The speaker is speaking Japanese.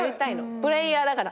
プレイヤーだから。